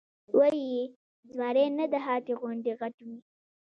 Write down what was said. وې ئې چې زمرے نۀ د هاتي غوندې غټ وي ،